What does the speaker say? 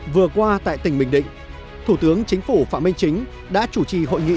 vừa qua tại tỉnh bình định thủ tướng chính phủ phạm minh chính đã chủ trì hội nghị